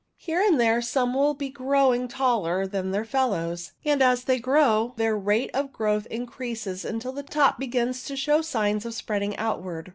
Here and there some will be growing taller than their fellows, and as they grow their rate of growth increases until the top begins to show signs of spreading outwards.